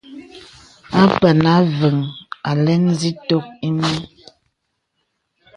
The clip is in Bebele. Apàn Avə̄ŋ alɛ̄n zitok inə̀.